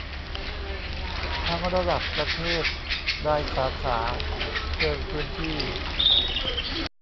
ทั้งระดับประเทศ รายสาขา เชิงพื้นที่